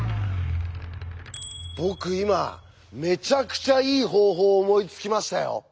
僕今めちゃくちゃいい方法思いつきましたよ。